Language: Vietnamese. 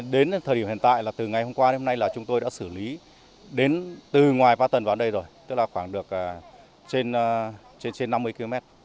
đến thời điểm hiện tại là từ ngày hôm qua đến nay là chúng tôi đã xử lý đến từ ngoài ba tầng vào đây rồi tức là khoảng được trên năm mươi km